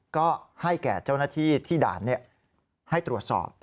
ก็ให้แก่เจ้าหน้าที่ที่ด่านให้ตรวจสอบ